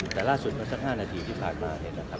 แต่ล่าสุดเมื่อสัก๕นาทีที่ผ่านมาเนี่ยนะครับ